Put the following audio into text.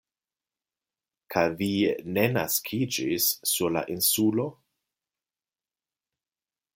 Kaj vi ne naskiĝis sur la lnsulo?